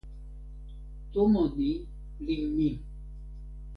tomo ni li mi!